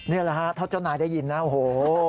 นี่แหละฮะเท่าเจ้านายได้ยินนะโอ้โห